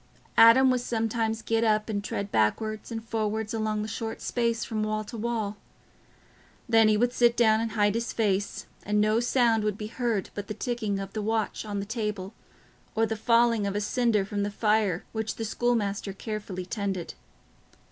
Adam would sometimes get up and tread backwards and forwards along the short space from wall to wall; then he would sit down and hide his face, and no sound would be heard but the ticking of the watch on the table, or the falling of a cinder from the fire which the schoolmaster carefully tended.